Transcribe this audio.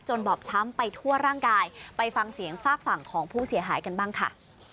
บอบช้ำไปทั่วร่างกายไปฟังเสียงฝากฝั่งของผู้เสียหายกันบ้างค่ะ